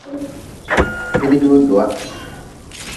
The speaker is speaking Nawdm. Nidjojoa.